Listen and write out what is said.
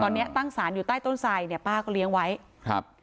ตอนนี้ตั้งสารอยู่ใต้ต้นไสเนี่ยป้าก็เลี้ยงไว้ครับ